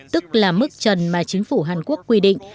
tức là mức trần mà chính phủ hàn quốc quy định